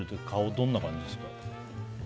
どんな感じですか？